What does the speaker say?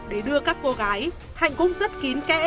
để đưa các cô gái hạnh cũng rất kín kẽ